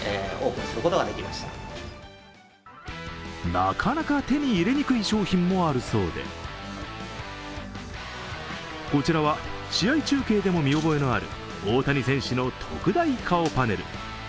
なかなか手に入れにくい商品もあるそうでこちらは試合中継でも見覚えのある大谷選手の特大顔パネル。